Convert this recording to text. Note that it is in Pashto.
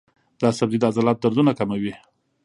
دا سبزی د عضلاتو دردونه کموي.